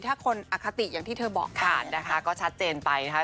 ถ้าคนอคติอย่างที่เธอบอกผ่านนะคะก็ชัดเจนไปนะคะ